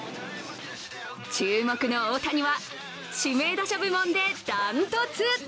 注目の大谷は指名打者部門で断トツ！